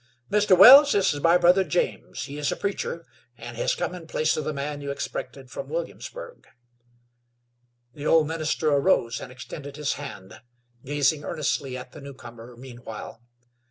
"Mr. Wells, this is my brother James. He is a preacher, and has come in place of the man you expected from Williamsburg." The old minister arose, and extended his hand, gazing earnestly at the new comer meanwhile.